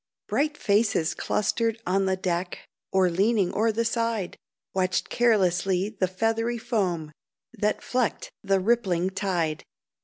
Bright faces clustered on the deck, Or, leaning o'er the side, Watched carelessly the feathery foam That flecked the rippling tide.